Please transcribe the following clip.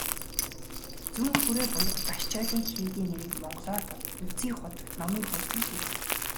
Зүүн хүрээ буюу "Дашчойлин" хийдийн нэрийг монголоор бол "Өлзий хутагт номын хүрдэн" гэдэг.